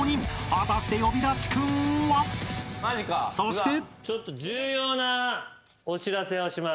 ［そして］